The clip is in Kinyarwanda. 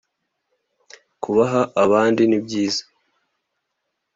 kubaha abandi ni byiza